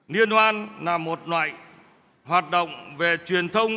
liên hoan là một loại hoạt động về truyền thông